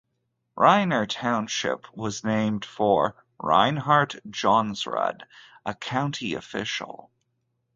Reiner Township was named for Reinhart Johnsrud, a county official.